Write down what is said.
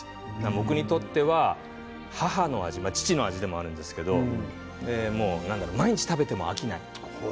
僕にとっては母の味、父の味でもあるんですけど毎日食べても飽きない。